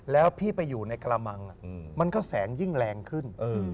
แล้วพี่ไปอยู่ในกระมังมันก็แสงยิ่งแรงขึ้น